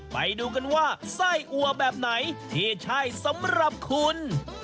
ไปดูกันว่าไส้อัวแบบไหนที่ใช่สำหรับคุณ